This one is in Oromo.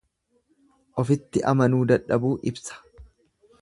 Ofitti amanuu dadhabuu ibsa.